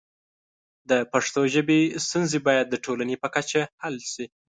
د پښتو ژبې ستونزې باید د ټولنې په کچه حل شي.